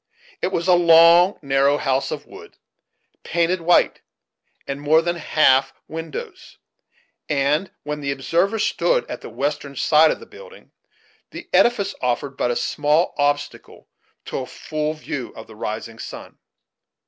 It was a long, narrow house of wood, painted white, and more than half windows; and, when the observer stood at the western side of the building, the edifice offered but a small obstacle to a full view of the rising sun.